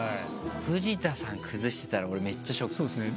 藤田さん崩してたら俺めっちゃショックです。